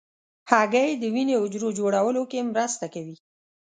هګۍ د وینې حجرو جوړولو کې مرسته کوي.